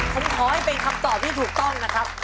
ผมขอให้เป็นคำตอบที่ถูกต้องนะครับ